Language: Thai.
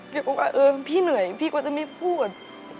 บอกว่าเออพี่เหนื่อยพี่ก็จะไม่พูด